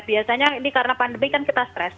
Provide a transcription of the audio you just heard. biasanya ini karena pandemi kan kita stres